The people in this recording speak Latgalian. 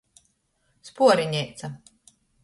Spuorineica.